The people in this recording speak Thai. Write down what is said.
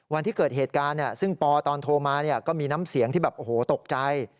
วันที่เกิดเหตุการณ์ซึ่งปอตอนโทรมาก็มีน้ำเสียงที่แบบโอ้โหตกใจ